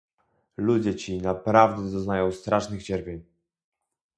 Ludzie ci naprawdę doznają strasznych cierpień